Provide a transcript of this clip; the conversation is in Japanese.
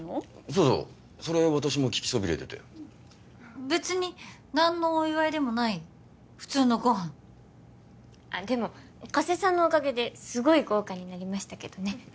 そうそうそれ私も聞きそびれててべつに何のお祝いでもない普通のご飯あっでも加瀬さんのおかげですごい豪華になりましたけどね